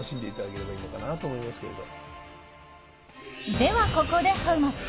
では、ここでハウマッチ。